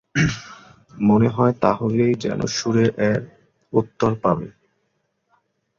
মনে হয়, তা হলেই যেন সুরে এর উত্তর পাবে।